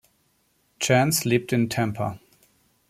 Chance lebt in Tampa.